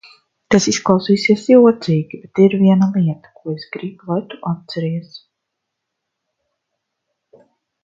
Tas izklausīsies jocīgi, bet ir viena lieta, ko es gribu, lai tu atceries.